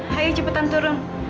hayo cepetan turun